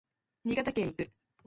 新潟県へ行く